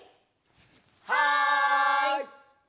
はい！